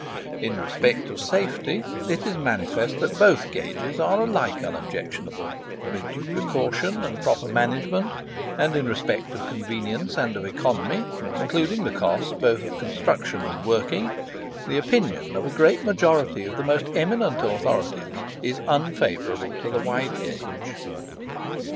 In respect of safety, it is manifest that both gauges are alike unobjectionable, with due precaution and proper management; and in respect of convenience and of economy, including the cost both of construction and working, the opinion of a great majority of the most eminent authorities is unfavourable to the wide gauge.